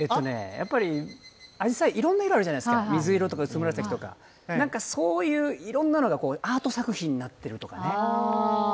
やっぱりあじさい、いろんな色あるじゃないですか、水色とか薄紫とかなんかそういう、いろんなのがアート作品になっているというかね。